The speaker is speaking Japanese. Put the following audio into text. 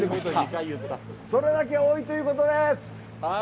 それだけ多いということ。